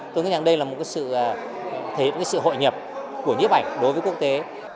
tôi nghĩ rằng đây là một sự hội nhập của nhếp ảnh đối với quốc tế